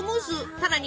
さらに